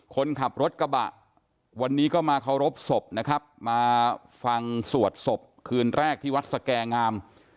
คนขับรถกระบะวันนี้ก็มาเคารพศพนะครับมาฟังสวดศพคืนแรกที่วัดสแก่งาม